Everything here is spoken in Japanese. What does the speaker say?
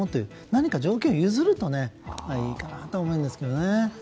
何か条件を譲ればいいと思うんですけどね。